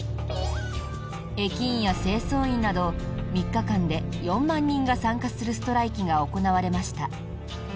駅員や清掃員など３日間で４万人が参加するストライキが行われました。